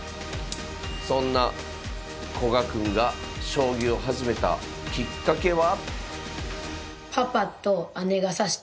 そんな古賀くんが将棋を始めたきっかけは。